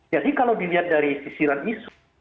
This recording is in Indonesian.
jadi kalau dilihat dari sisiran isu